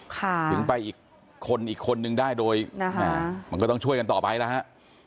ถึงไปอีกคนอีกคนนึงได้โดยนะฮะมันก็ต้องช่วยกันต่อไปแล้วฮะ